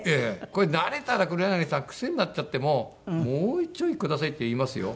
これ慣れたら黒柳さん癖になっちゃってもう「もうちょいください」って言いますよ。